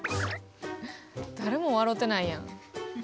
誰も笑てないやん。